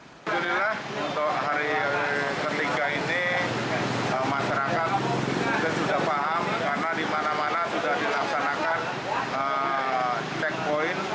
alhamdulillah untuk hari ketiga ini masyarakat sudah paham karena di mana mana sudah dilaksanakan checkpoint